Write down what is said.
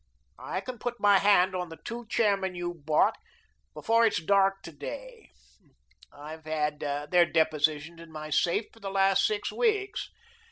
I can put my hand on the two chairmen you bought before it's dark to day. I've had their depositions in my safe for the last six weeks.